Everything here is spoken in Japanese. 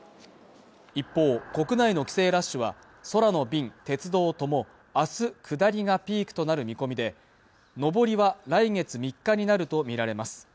一方国内の帰省ラッシュは空の便、鉄道とも明日下りがピークとなる見込みで上りは来月３日になると見られます